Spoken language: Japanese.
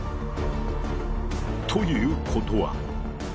ということは？